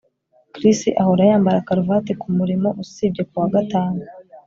Chris ahora yambara karuvati kumurimo usibye kuwa gatanu